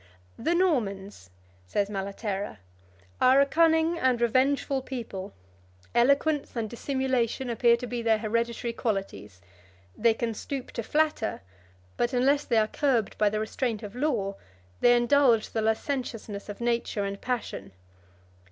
26 "The Normans," says Malaterra, "are a cunning and revengeful people; eloquence and dissimulation appear to be their hereditary qualities: they can stoop to flatter; but unless they are curbed by the restraint of law, they indulge the licentiousness of nature and passion.